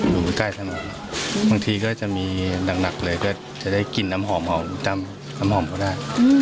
อยู่ใกล้ทั้งหมดบางทีก็จะมีหนักเลยก็จะได้กลิ่นน้ำหอมจำน้ำหอมก็ได้